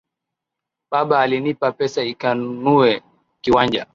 Baba alinipa pesa nikanunue kiwanja.